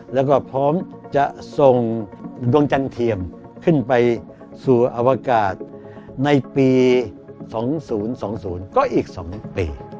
แล้วก็พร้อมจะส่งดวงจันเทียมขึ้นไปสู่อวกาศในปี๒๐๒๐ก็อีก๒ปี